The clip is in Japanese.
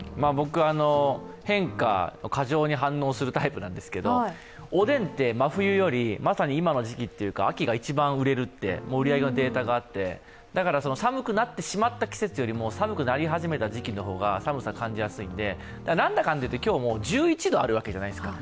変化に過剰に反応するタイプなんですけど、おでんって真冬よりまさに今の時期というか秋が一番売れると売り上げのデータがあってだから寒くなってしまった季節よりも、寒くなり始めた時期の方が寒さを感じやすいんで、なんだかんでいって今日も１１度あるわけじゃないですか。